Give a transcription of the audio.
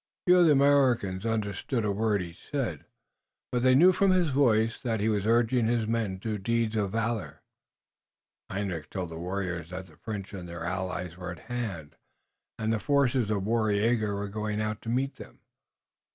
Few of the Americans understood a word he said, but they knew from his voice that he was urging his men to deeds of valor. Hendrik told the warriors that the French and their allies were at hand, and the forces of Waraiyageh were going out to meet them.